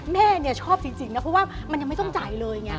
แม่เนี่ยชอบจริงนะเพราะว่ามันยังไม่ต้องจ่ายเลยไง